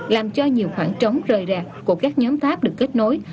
làm cho nhiều khoảng trống rơi ra của các nhóm tháp được kết nối